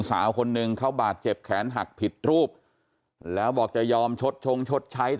สาวคนหนึ่งเขาบาดเจ็บแขนหักผิดรูปแล้วบอกจะยอมชดชงชดใช้